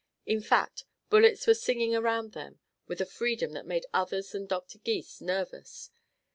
In fact, bullets were singing around them with a freedom that made others than Dr. Gys nervous.